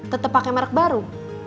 tetep pake merk baru